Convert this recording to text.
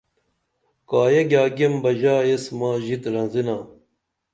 کایہ گِیا گیم بہ ژا ایس ماں ژِت رزِنا